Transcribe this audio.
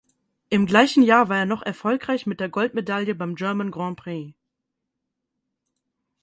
Im gleichen Jahr war er noch erfolgreich mit der Goldmedaille beim German Grand Prix.